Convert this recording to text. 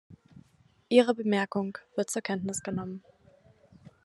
Ihre Bemerkung wird zur Kenntnis genommen.